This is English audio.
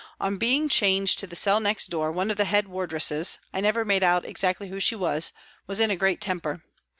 On being changed to the cell next door, one of the head wardresses I never made out exactly who she was was in a great temper.